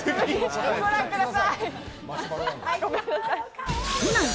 ご覧ください。